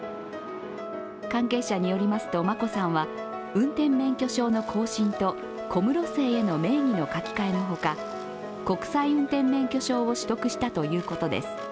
関係者によりますと、眞子さんは運転免許証の更新と小室姓への名義の書き換えの他国際運転免許証を取得したということです。